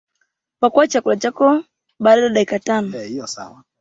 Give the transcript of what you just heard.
Pakuaa chakula chako baada ya dakika tano